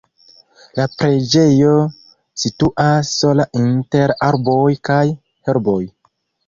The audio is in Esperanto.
La preĝejo situas sola inter arboj kaj herboj.